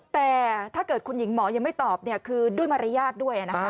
แต่ถ้าเกิดคุณหญิงหมอยังไม่ตอบคือด้วยมารยาทด้วยนะคะ